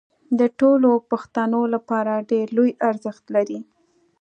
د ټولو پښتنو لپاره ډېر لوی ارزښت لري